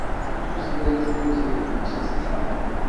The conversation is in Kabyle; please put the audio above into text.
Tutlayt-inu tayemmat d ta.